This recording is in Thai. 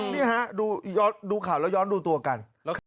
นี่ฮะดูข่าวแล้วย้อนดูตัวกัน